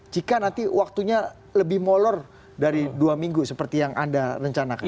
jika nanti waktunya lebih molor dari dua minggu seperti yang anda rencanakan